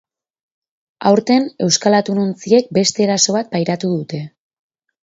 Aurten, euskal atunontziek beste eraso bat pairatu dute.